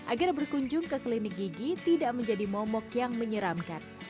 agar berkunjung ke klinik gigi tidak menjadi momok yang menyeramkan